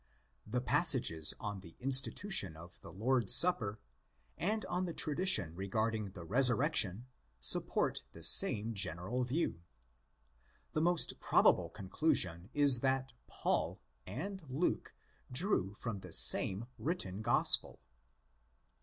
The passages on the institution of the Lord's supper and on the tradition regarding the resurrection support the same general view. The most probable conclusion is that '' Paul" and '"' Luke" drew from the same written Gospel.!